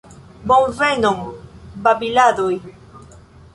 Bonvenon babiladoj.